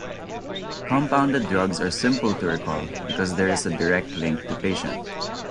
Compounded drugs are simple to recall because there is a direct link to patient.